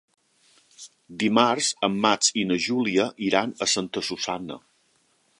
Dimarts en Max i na Júlia iran a Santa Susanna.